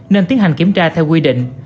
nên tiến hành kiểm tra theo quy định